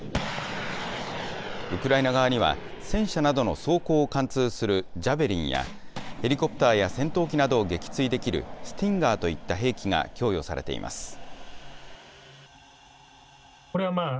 ウクライナ側には、戦車などの装甲を貫通するジャベリンや、ヘリコプターや戦闘機などを撃墜できるスティンガーといった兵器が供与されています。